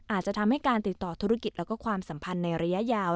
อาจจะทำให้การติดต่อธุรกิจและความสัมพันธ์ในระยะยาว